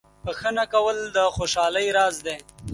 • بخښنه کول د خوشحالۍ راز دی.